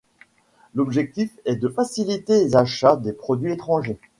L’objectif est de faciliter les achats des produits étrangers.